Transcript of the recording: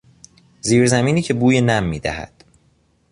زیرزمینی که بوی نم میدهد